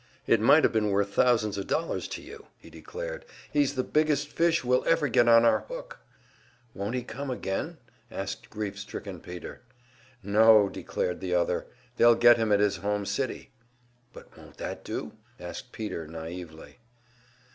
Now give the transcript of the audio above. "It might have been worth thousands of dollars to you!" he declared. "He's the biggest fish we'll ever get on our hook." "Won't he come again?" asked grief stricken Peter. "No," declared the other. "They'll get him at his home city." "But won't that do?" asked Peter, naively.